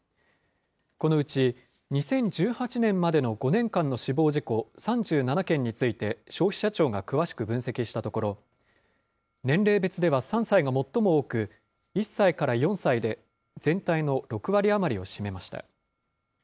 このうち、２０１８年までの５年間の死亡事故３７件について、消費者庁が詳しく分析したところ、年齢別では３歳が最も多く、１歳から４歳で全体の６割余りを占めました。